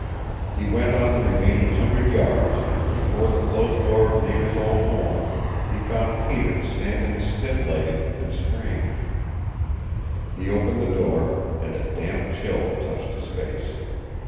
He went on the remaining hundred yards and before the closed door of Nada's old home he found Peter standing stiff legged and strange. He opened the door and a damp chill touched his face.